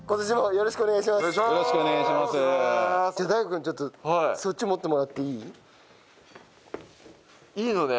君ちょっとそっち持ってもらっていい？いいのね？